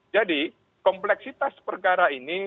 jadi kompleksitas perkara ini